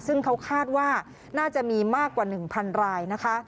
ซึ่งเขาคาดว่าน่าจะมีมากกว่า๑๐๐รายนะคะ